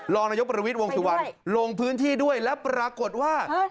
รองนายกประวิทย์วงสุวรรณลงพื้นที่ด้วยแล้วปรากฏว่า